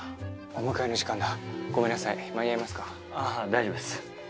ああ大丈夫です。